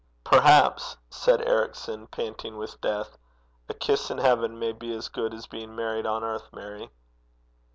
'Perhaps,' said Ericson, panting with death, 'a kiss in heaven may be as good as being married on earth, Mary.'